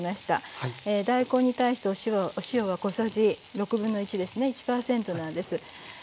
大根に対してお塩は小さじですね１％なんです。